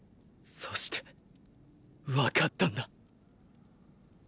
そしてわかったんだ。